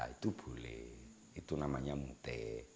itu boleh itu namanya mute